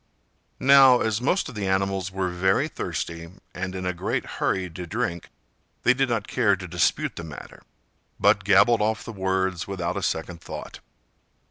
'" Now, as most of the animals were very thirsty, and in a great hurry to drink, they did not care to dispute the matter, but gabbled off the words without a second thought.